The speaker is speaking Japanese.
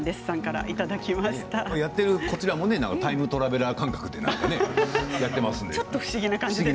やっているこちらもタイムトラベラー感覚でやってますので。